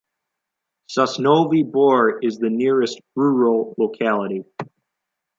Sosnovy Bor is the nearest rural locality.